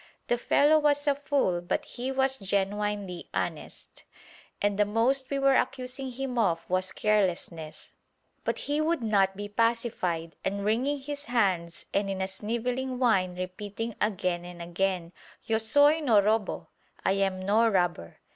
The fellow was a fool but he was genuinely honest, and the most we were accusing him of was carelessness. But he would not be pacified, and wringing his hands and in a snivelling whine repeating again and again "Yo soy no robo!" ("I am no robber!")